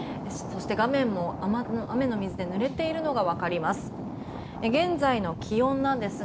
そして画面も雨の水でぬれているのが分かります。